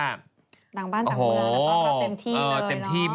ดังบ้านต่างเมืองแล้วก็เต็มที่เลยเนอะ